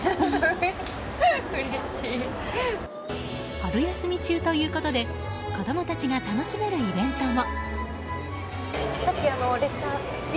春休み中ということで子供たちが楽しめるイベントも。